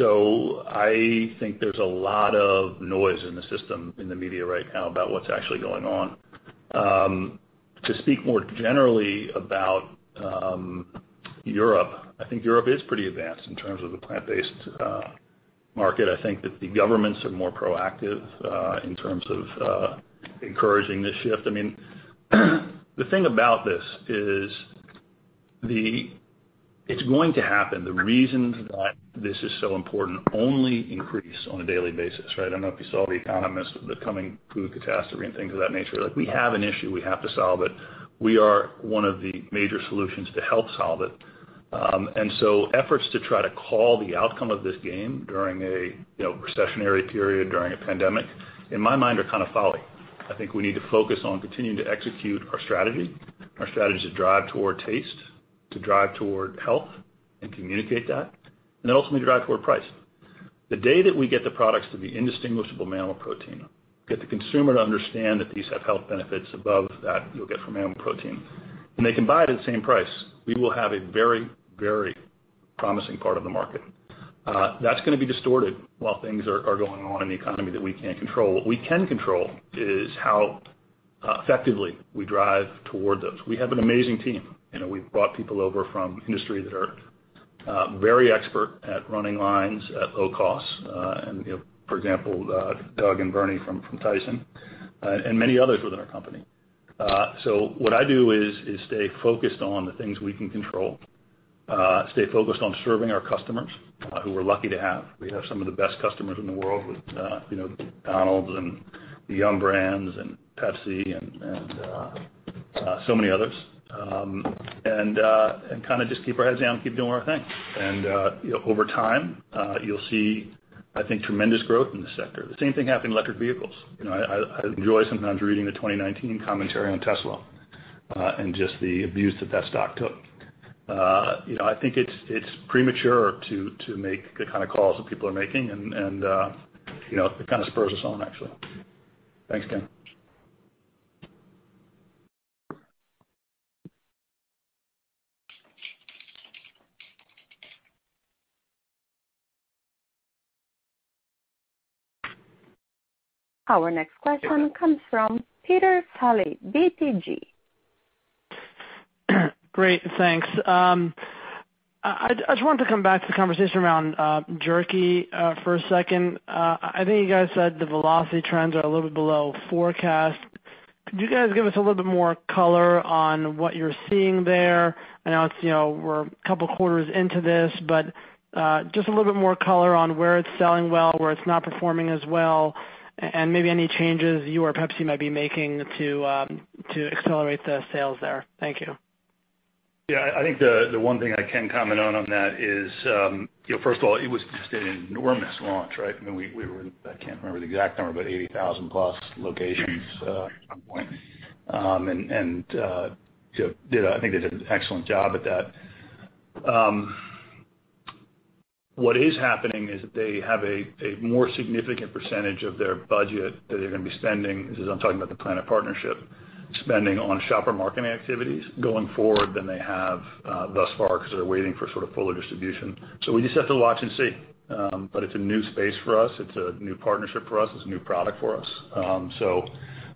I think there's a lot of noise in the system in the media right now about what's actually going on. To speak more generally about Europe, I think Europe is pretty advanced in terms of the plant-based market. I think that the governments are more proactive in terms of encouraging this shift. I mean, the thing about this is it's going to happen. The reasons why this is so important only increase on a daily basis, right? I don't know if you saw The Economist with the coming food catastrophe and things of that nature. Like, we have an issue, we have to solve it. We are one of the major solutions to help solve it. Efforts to try to call the outcome of this game during a you know recessionary period, during a pandemic, in my mind, are kind of folly. I think we need to focus on continuing to execute our strategy, our strategy to drive toward taste, to drive toward health and communicate that, and then ultimately drive toward price. The day that we get the products to be indistinguishable from animal protein. Get the consumer to understand that these have health benefits above that you'll get from animal protein, and they can buy it at the same price. We will have a very, very promising part of the market. That's gonna be distorted while things are going on in the economy that we can't control. What we can control is how effectively we drive toward those. We have an amazing team. You know, we've brought people over from industry that are very expert at running lines at low costs. You know, for example, Doug and Bernie from Tyson and many others within our company. So what I do is stay focused on the things we can control. Stay focused on serving our customers who we're lucky to have. We have some of the best customers in the world with, you know, McDonald's and the Yum! Brands and Pepsi and so many others. And kind of just keep our heads down, keep doing our thing. You know, over time, you'll see, I think, tremendous growth in the sector. The same thing happened in electric vehicles. You know, I enjoy sometimes reading the 2019 commentary on Tesla and just the abuse that that stock took. You know, I think it's premature to make the kind of calls that people are making and you know, it kind of spurs us on actually. Thanks, Ken. Our next question comes from Peter Saleh, BTIG. Great. Thanks. I just wanted to come back to the conversation around jerky for a second. I think you guys said the velocity trends are a little bit below forecast. Could you guys give us a little bit more color on what you're seeing there? I know it's, you know, we're a couple quarters into this, but just a little bit more color on where it's selling well, where it's not performing as well, and maybe any changes you or PepsiCo might be making to accelerate the sales there. Thank you. Yeah. I think the one thing I can comment on that is, you know, first of all, it was just an enormous launch, right? I mean, we were—I can't remember the exact number, but 80,000+ locations at one point. And you know, I think they did an excellent job at that. What is happening is that they have a more significant percentage of their budget that they're gonna be spending, this is, I'm talking about the Planet Partnership, spending on shopper marketing activities going forward than they have thus far because they're waiting for sort of fuller distribution. We just have to watch and see. It's a new space for us. It's a new partnership for us. It's a new product for us.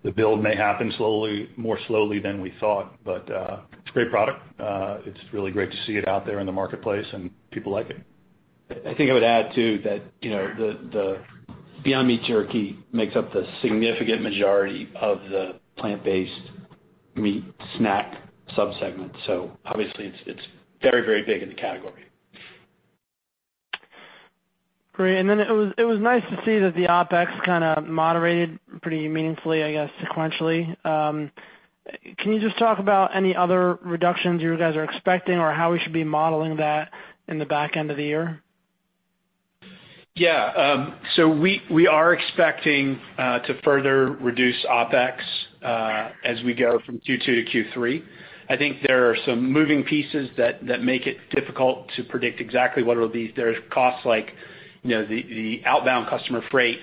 The build may happen slowly, more slowly than we thought, but it's a great product. It's really great to see it out there in the marketplace, and people like it. I think I would add too that, you know, the Beyond Meat Jerky makes up the significant majority of the plant-based meat snack subsegment. So obviously it's very big in the category. Great. Then it was nice to see that the OpEx kind of moderated pretty meaningfully, I guess, sequentially. Can you just talk about any other reductions you guys are expecting or how we should be modeling that in the back end of the year? Yeah. So we are expecting to further reduce OpEx as we go from Q2 to Q3. I think there are some moving pieces that make it difficult to predict exactly what will be. There are costs like, you know, the outbound customer freight.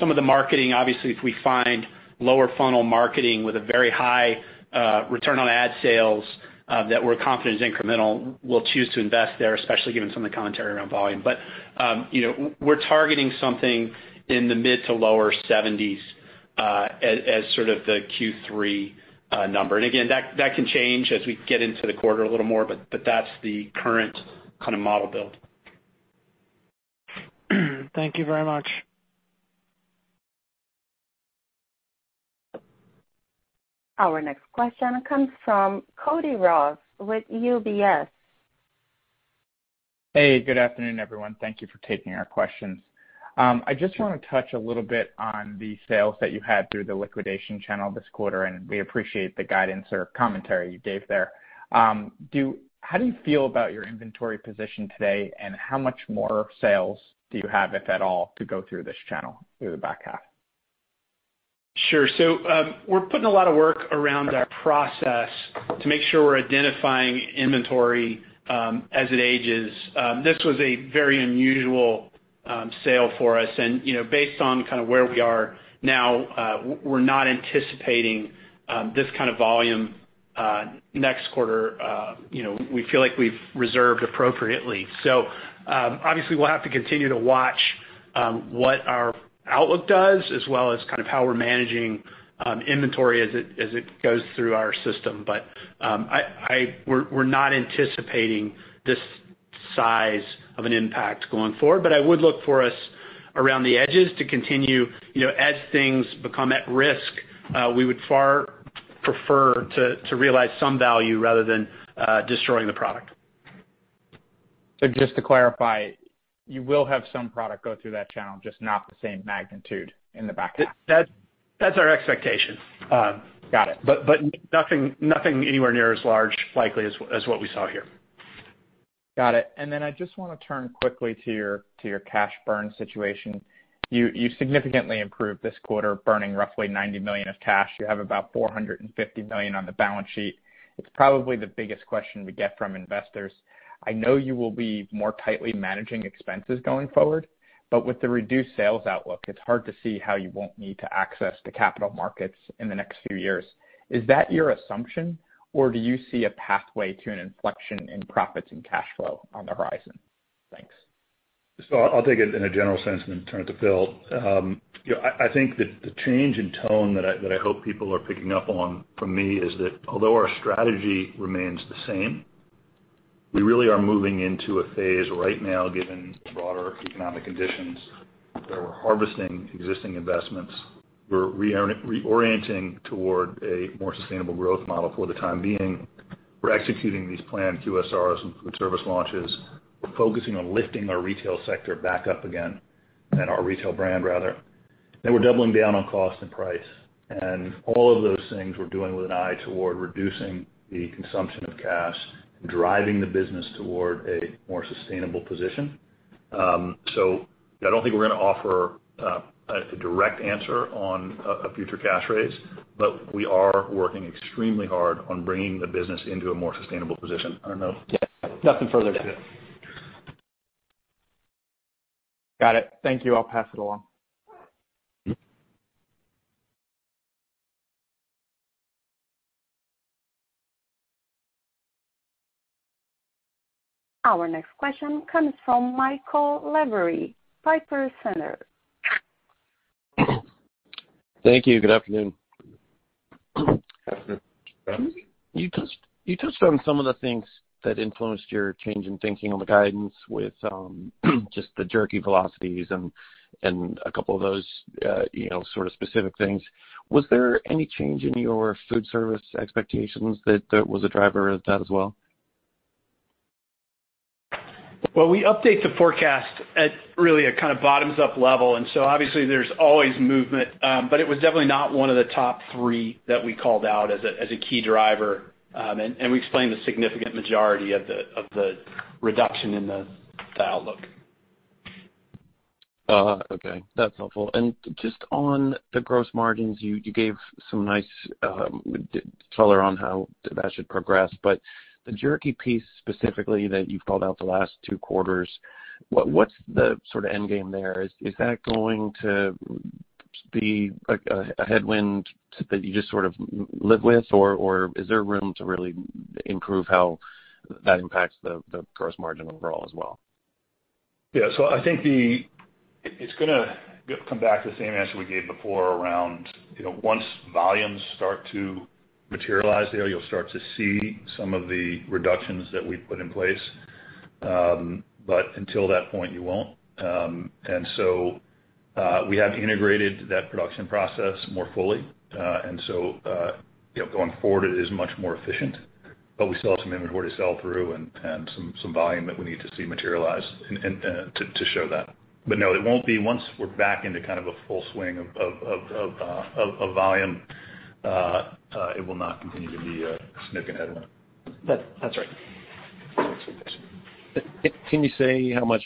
Some of the marketing, obviously, if we find lower funnel marketing with a very high return on ad sales that we're confident is incremental, we'll choose to invest there, especially given some of the commentary around volume. But you know, we're targeting something in the mid to lower seventies as sort of the Q3 number. Again, that can change as we get into the quarter a little more, but that's the current kind of model build. Thank you very much. Our next question comes from [Cody Ross] with UBS. Hey, good afternoon, everyone. Thank you for taking our questions. I just wanna touch a little bit on the sales that you had through the liquidation channel this quarter, and we appreciate the guidance or commentary you gave there. How do you feel about your inventory position today, and how much more sales do you have, if at all, to go through this channel through the back half? Sure. We're putting a lot of work around our process to make sure we're identifying inventory as it ages. This was a very unusual sale for us. You know, based on kind of where we are now, we're not anticipating this kind of volume next quarter. You know, we feel like we've reserved appropriately. Obviously we'll have to continue to watch what our outlook does, as well as kind of how we're managing inventory as it goes through our system. We're not anticipating this size of an impact going forward. I would look for us around the edges to continue, you know, as things become at risk, we would far prefer to realize some value rather than destroying the product. Just to clarify, you will have some product go through that channel, just not the same magnitude in the back half? That's our expectation. Got it. Nothing anywhere near as large likely as what we saw here. Got it. I just wanna turn quickly to your cash burn situation. You significantly improved this quarter, burning roughly $90 million of cash. You have about $450 million on the balance sheet. It's probably the biggest question we get from investors. I know you will be more tightly managing expenses going forward, but with the reduced sales outlook, it's hard to see how you won't need to access the capital markets in the next few years. Is that your assumption, or do you see a pathway to an inflection in profits and cash flow on the horizon? Thanks. I'll take it in a general sense and then turn it to Phil. You know, I think that the change in tone that I hope people are picking up on from me is that although our strategy remains the same, we really are moving into a phase right now, given the broader economic conditions, that we're harvesting existing investments. We're reorienting toward a more sustainable growth model for the time being. We're executing these planned QSRs and food service launches. We're focusing on lifting our retail sector back up again, and our retail brand rather. We're doubling down on cost and price. All of those things we're doing with an eye toward reducing the consumption of cash, driving the business toward a more sustainable position. I don't think we're gonna offer a direct answer on a future cash raise, but we are working extremely hard on bringing the business into a more sustainable position. I don't know. Yeah. Nothing further to add. Got it. Thank you. I'll pass it along. Mm-hmm. Our next question comes from Michael Lavery, Piper Sandler. Thank you. Good afternoon. Afternoon. You touched on some of the things that influenced your change in thinking on the guidance with just the jerky velocities and a couple of those, you know, sort of specific things. Was there any change in your food service expectations that was a driver of that as well? Well, we update the forecast at really a kinda bottoms-up level, and so obviously there's always movement, but it was definitely not one of the top three that we called out as a key driver. We explained the significant majority of the reduction in the outlook. Okay. That's helpful. Just on the gross margins, you gave some nice color on how that should progress, but the jerky piece specifically that you've called out the last two quarters, what's the sorta end game there? Is that going to be a headwind that you just sort of live with or is there room to really improve how that impacts the gross margin overall as well? Yeah. I think it's gonna come back to the same answer we gave before around, you know, once volumes start to materialize there, you'll start to see some of the reductions that we put in place. But until that point, you won't. We have integrated that production process more fully. You know, going forward, it is much more efficient, but we still have some inventory to sell through and some volume that we need to see materialize and to show that. No, it won't be. Once we're back into kind of a full swing of volume, it will not continue to be a significant headwind. That's right. Can you say how much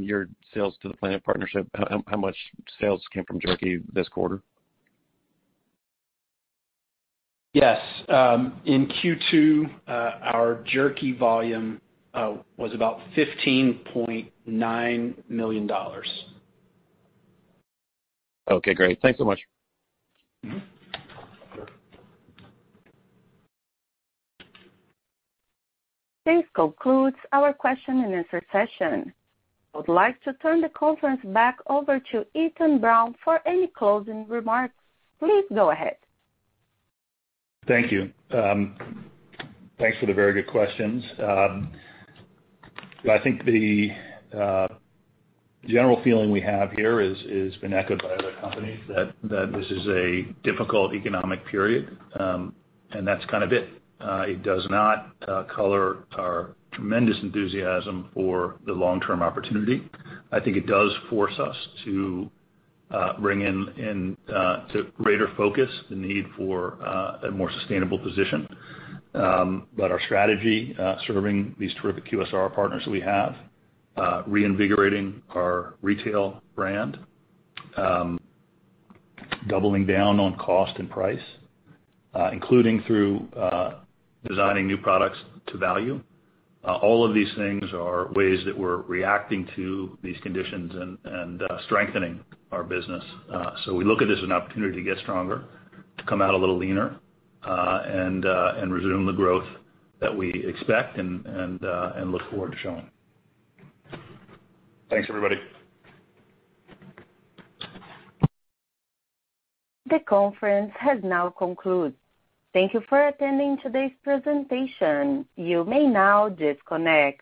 your sales to the Planet Partnership, how much sales came from jerky this quarter? Yes. In Q2, our jerky volume was about $15.9 million. Okay, great. Thanks so much. Mm-hmm. This concludes our question and answer session. I would like to turn the conference back over to Ethan Brown for any closing remarks. Please go ahead. Thank you. Thanks for the very good questions. I think the general feeling we have here has been echoed by other companies that this is a difficult economic period, and that's kind of it. It does not color our tremendous enthusiasm for the long-term opportunity. I think it does force us to bring in to greater focus the need for a more sustainable position. Our strategy serving these terrific QSR partners that we have, reinvigorating our retail brand, doubling down on cost and price, including through designing new products to value, all of these things are ways that we're reacting to these conditions and strengthening our business. We look at this as an opportunity to get stronger, to come out a little leaner, and resume the growth that we expect and look forward to showing. Thanks, everybody. The conference has now concluded. Thank you for attending today's presentation. You may now disconnect.